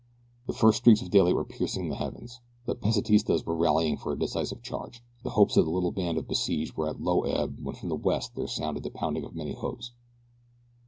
The first streaks of daylight were piercing the heavens, the Pesitistas were rallying for a decisive charge, the hopes of the little band of besieged were at low ebb when from the west there sounded the pounding of many hoofs.